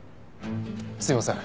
すいません。